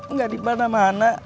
nggak di mana mana